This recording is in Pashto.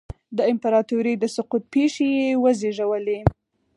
د امپراتورۍ د سقوط پېښې یې وزېږولې.